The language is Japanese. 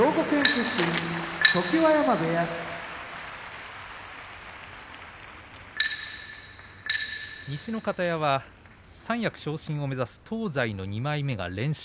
常盤山部屋西の方屋は三役昇進を目指す東西の２枚目が連勝。